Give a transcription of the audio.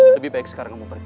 lebih baik sekarang kamu pergi